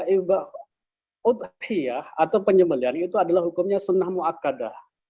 ibadah uthiyah atau penyembelian itu adalah hukumnya sunnah mu'aqadah